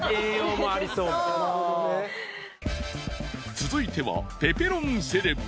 続いてはペペロンセレブ。